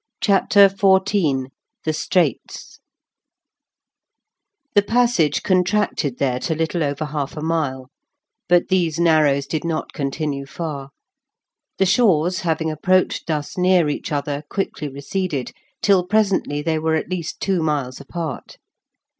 CHAPTER XIV THE STRAITS The passage contracted there to little over half a mile, but these narrows did not continue far; the shores, having approached thus near each other, quickly receded, till presently they were at least two miles apart.